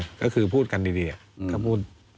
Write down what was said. เวลาโมโหหรือเวลาอะไรงี้พูดกันดี